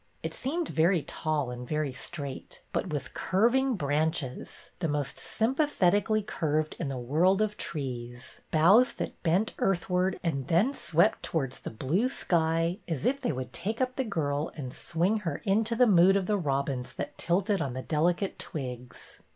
It seemed very tall and very straight, but with curving branches, the most sympathetically curved in the world of trees, boughs that bent earthward and then swept towards the blue sky as if they would take the girl up and swing her into the mood of the robins that tilted on the delicate twigs.